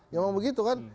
memang begitu kan